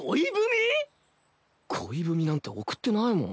恋文なんて送ってないもん。